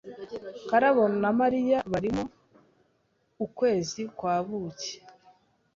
Karabo na Mariya barimo ukwezi kwa buki.